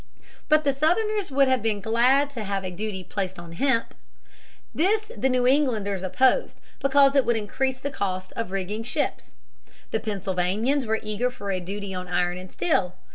But the Southerners would have been glad to have a duty placed on hemp. This the New Englanders opposed because it would increase the cost of rigging ships. The Pennsylvanians were eager for a duty on iron and steel.